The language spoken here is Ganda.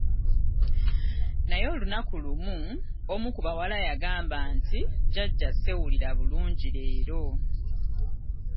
Naye olunaku lumu, omu ku bawala yagamba nti, jjaja, sewulila bulungi leero.